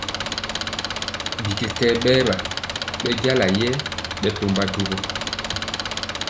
Bikɛkɛɛ bɛwa bɛjala yɛ ɓɛtɔmba duwo.